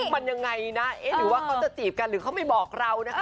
มันยังไงนะหรือว่าเค้าจะจีบกันหรือเค้าไม่บอกเรา